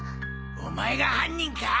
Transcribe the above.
お前が犯人か！？